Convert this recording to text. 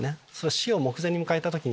死を目前に迎えた時に。